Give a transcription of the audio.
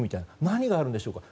何があるんでしょうか。